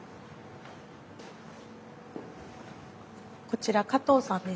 こちら加藤さんです。